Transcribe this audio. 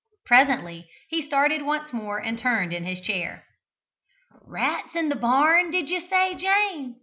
Presently he started once more and turned in his chair. "Rats in the barn, did you say, Jane?"